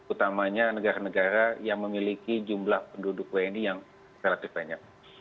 utamanya negara negara yang memiliki jumlah penduduk wni yang relatif banyak